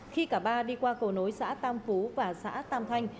khi cả ba đi qua cầu nối xã tam phú và xã tam thanh